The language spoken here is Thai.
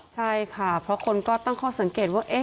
ใช่ค่ะเพราะคนก็ตั้งข้อสังเกตว่า